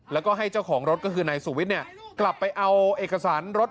แล้วให้เจ้าของรถก็คือนายสูวิทกลับไปเอาเอกสารรถ